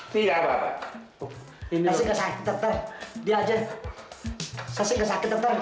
saya sih enggak sakit dokter